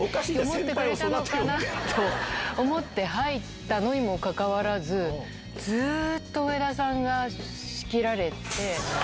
おかしいじゃん、先輩を育て思って入ったのにもかかわらず、ずっと上田さんが仕切られて。